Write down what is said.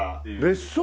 別荘？